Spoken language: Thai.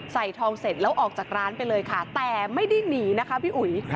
ใส่ทองเสร็จแล้วออกจากร้านไปเลยค่ะแต่ไม่ได้หนีนะคะพี่อุ๋ย